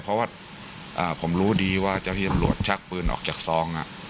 เพราะว่าผมรู้ดีว่าเจ้าที่ตำรวจชักปืนออกจากซอง